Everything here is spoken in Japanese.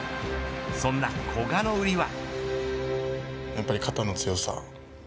そんな古賀の売りは。